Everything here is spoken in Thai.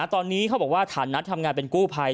ตอนนี้เขาบอกว่าฐานะทำงานเป็นกู้ภัย